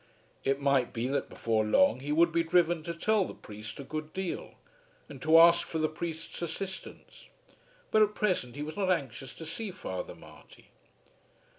It might be that before long he would be driven to tell the priest a good deal, and to ask for the priest's assistance; but at present he was not anxious to see Father Marty.